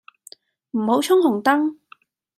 唔好衝紅燈